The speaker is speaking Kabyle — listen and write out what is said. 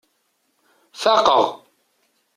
Faqeɣ.